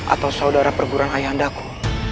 atau saudara perguruan ayah andaku